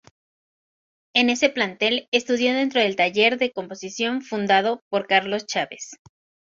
En ese plantel estudió dentro del Taller de Composición fundado por Carlos Chávez.